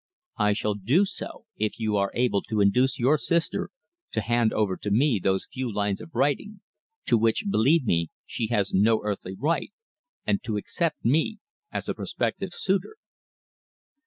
I shall do so if you are able to induce your sister to hand over to me those few lines of writing to which, believe me, she has no earthly right and to accept me as a prospective suitor."